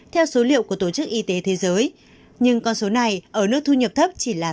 theo số liệu của tổ chức y tế thế giới nhưng con số này ở nước thu nhập thấp chỉ là sáu mươi